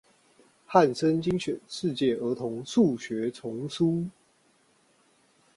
漢聲精選世界兒童數學叢書